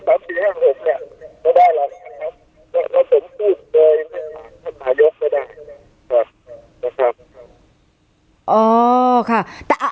ถามไปได้แน่น่ำค่ะอ๋อค่ะแต่อ่า